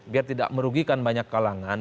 biar tidak merugikan banyak kalangan